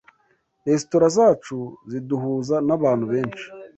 Resitora zacu ziduhuza n’abantu benshi